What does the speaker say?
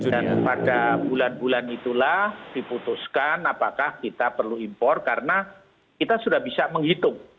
dan pada bulan bulan itulah diputuskan apakah kita perlu impor karena kita sudah bisa menghitung